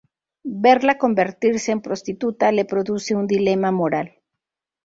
Verla convertirse en prostituta le produce un dilema moral.